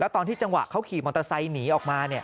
ตอนที่จังหวะเขาขี่มอเตอร์ไซค์หนีออกมา